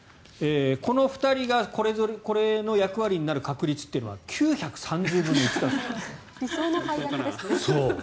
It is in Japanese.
この２人がこれの役割になる確率というのは理想の配役ですね。